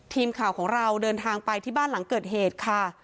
ทีมข่าวของเราเดินทางไปที่บ้านหลังเกิดเหตุค่ะ